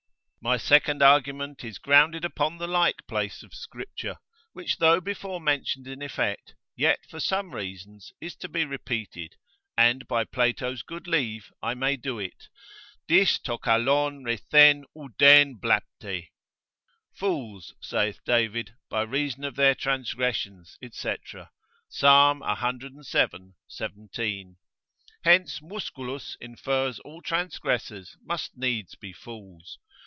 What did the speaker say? My second argument is grounded upon the like place of Scripture, which though before mentioned in effect, yet for some reasons is to be repeated (and by Plato's good leave, I may do it, δίς τὸ καλὸν ρηθέν ὀυδέν βλάπτει) Fools (saith David) by reason of their transgressions. &c. Psal. cvii. 17. Hence Musculus infers all transgressors must needs be fools.